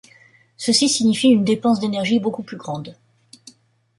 Ceci signifie une dépense d’énergie beaucoup plus grande.